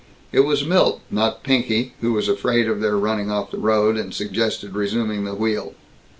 It was Milt not Pinky, who was afraid of their running off the road, and suggested resuming the wheel.